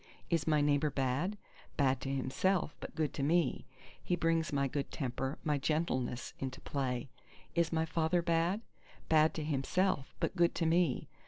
Is my neighbour bad? Bad to himself, but good to me: he brings my good temper, my gentleness into play. Is my father bad? Bad to himself, but good to me.